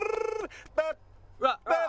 パッパッ。